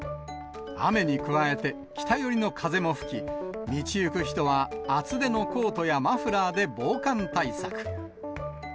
雨に加えて、北寄りの風も吹き、道行く人は、厚手のコートやマフラーで防寒対策。